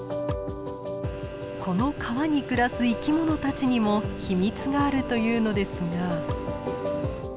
この川に暮らす生き物たちにも秘密があるというのですが。